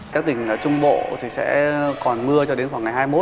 các tỉnh trung bộ sẽ còn mưa cho đến khoảng ngày hai mươi một